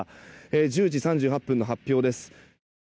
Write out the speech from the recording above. １０時３８分の発表です。